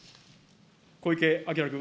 小池晃君。